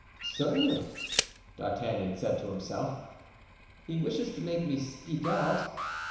"Certainly," D'Artagnan said to himself, "he wishes to make me speak out.